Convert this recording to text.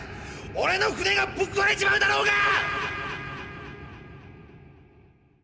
オレの船がぶっこわれちまうだろうが！